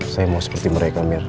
saya mau seperti mereka lihat